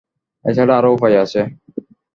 এছাড়া আর উপায় আছে?